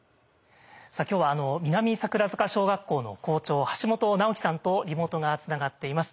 さあ今日は南桜塚小学校の校長橋本直樹さんとリモートがつながっています。